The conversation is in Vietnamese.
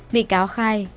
bị cáo khai